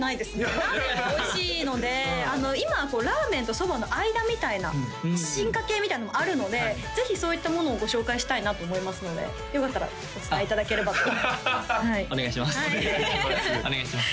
ラーメンはおいしいので今はラーメンとそばの間みたいな進化形みたいなのもあるのでぜひそういったものをご紹介したいなと思いますのでよかったらお伝えいただければとお願いします